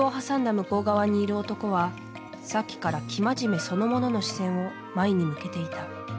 向こう側にいる男はさっきから生真面目そのものの視線を舞に向けていた。